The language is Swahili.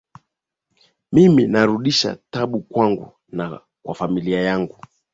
Mimi alirudisha tabu kwangu na kwa familia yangu